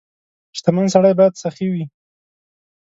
• شتمن سړی باید سخي وي.